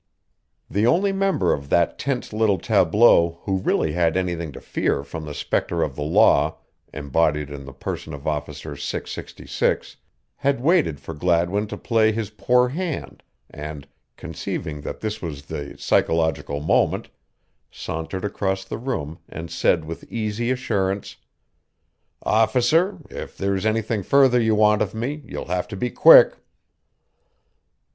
The only member of that tense little tableau who really had anything to fear from the spectre of the law embodied in the person of Officer 666 had waited for Gladwin to play his poor hand and, conceiving that this was the psychological moment, sauntered across the room and said with easy assurance: "Officer, if there's anything further you want of me, you'll have to be quick."